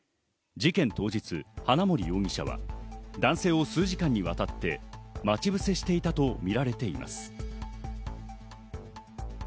事件当日、花森容疑者は男性を数時間にわたって待ち伏せしていたとみられています。